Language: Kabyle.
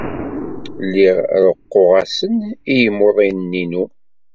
Lliɣ reqquɣ-asen i yimuḍinen-inu.